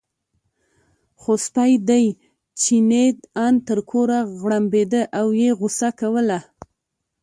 خو سپی دی، چیني ان تر کوره غړمبېده او یې غوسه کوله.